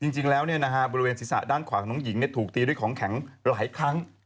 จริงแล้วบริเวณศีรษะด้านขวาของน้องหญิงถูกตีด้วยของแข็งหลายครั้ง